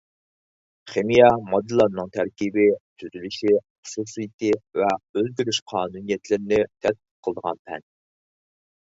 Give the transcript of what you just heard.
خىمىيە — ماددىلارنىڭ تەركىبى، تۈزۈلۈشى، خۇسۇسىيىتى ۋە ئۆزگىرىش قانۇنىيەتلىرىنى تەتقىق قىلىدىغان پەن.